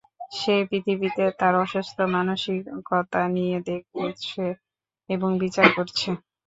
সে পৃথিবীকে তার অসুস্থ মানসিকতা নিয়ে দেখছে এবং বিচার করছে।